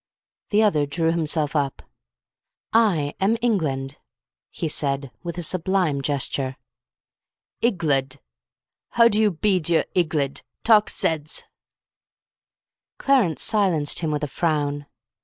The other drew himself up. "I am England," he said with a sublime gesture. "Igglud! How do you bead you're Igglud? Talk seds." Clarence silenced him with a frown.